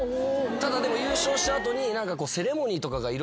ただ優勝した後に。